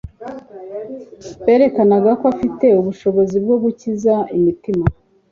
berekanaga ko afite ubushobozi bwo gukiza imitima."